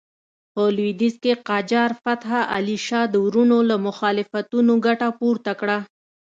په لوېدیځ کې قاجار فتح علي شاه د وروڼو له مخالفتونو ګټه پورته کړه.